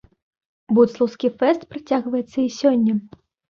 Будслаўскі фэст працягваецца і сёння.